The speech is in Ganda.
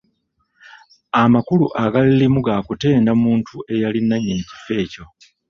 Amakulu agalirimu ga kutenda muntu eyali nannyini kifo ekyo.